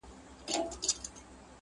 د کابل زيات خلګ د جعمې په شپه.